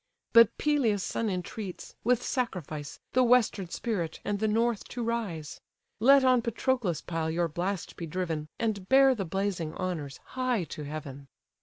But Peleus' son entreats, with sacrifice, The western spirit, and the north, to rise! Let on Patroclus' pile your blast be driven, And bear the blazing honours high to heaven."